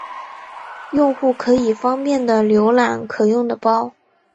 用户可以方便的浏览可用的包。